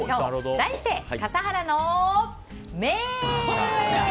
題して笠原の眼。